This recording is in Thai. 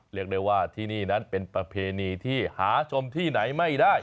เรียกได้ว่าที่นี่นั้นเป็นประเพณีที่หาชมที่ไหนไม่ได้